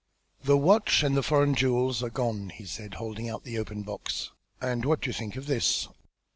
"The watch and the foreign jewels are gone," he said, holding out the open box. "And what do you think of this?